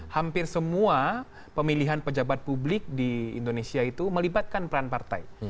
hampir semua pemilihan pejabat publik di indonesia itu melibatkan peran partai